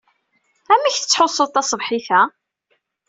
Amek tettḥussuḍ taṣebḥit-a?